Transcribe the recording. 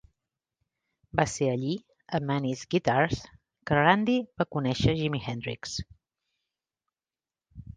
Va ser allí, a Manny's Guitars, que Randy va conèixer Jimi Hendrix.